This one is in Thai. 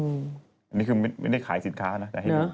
อันนี้คือไม่ได้ขายสินค้านะ